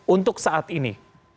untuk saat ini